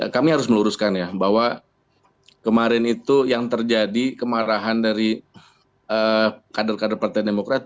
kami harus meluruskan ya bahwa kemarin itu yang terjadi kemarahan dari kader kader partai demokrat